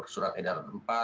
surat edar empat